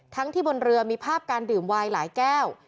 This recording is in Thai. ที่บนเรือมีภาพการดื่มวายหลายแก้ว